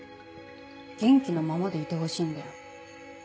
元気のままでいてほしいんだよ